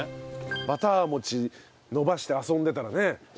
バター餅伸ばして遊んでたらね。